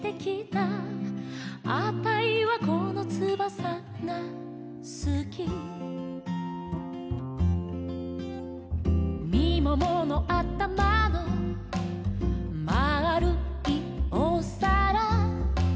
「あたいはこのつばさがすき」「みもものあたまのまあるいおさら」